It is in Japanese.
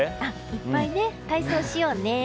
いっぱい体操しようね。